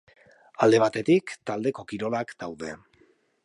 Alde batetik taldeko kirolak daude.